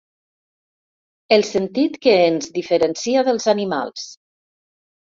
El sentit que ens diferencia dels animals.